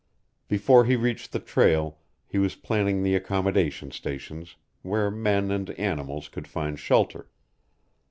Before he reached the trail he was planning the accommodation stations, where men and animals could find shelter.